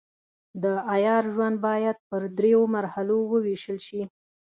د عیار ژوند باید پر دریو مرحلو وویشل شي.